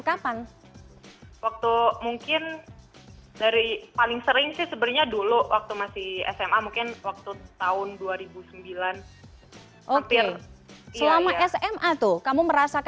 kapan waktu mungkin dari paling sering sih sebenarnya dulu waktu masih sma mungkin waktu